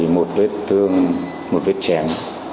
một vết thương một vết chén